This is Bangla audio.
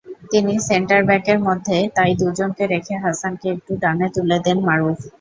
তিন সেন্টারব্যাকের মধ্যে তাই দুজনকে রেখে হাসানকে একটু ডানে তুলে দেন মারুফ।